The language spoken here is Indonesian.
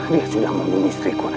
dia sudah membunuh istriku